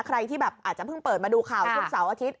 ใครที่แบบอาจจะเพิ่งเปิดมาดูข่าวช่วงเสาร์อาทิตย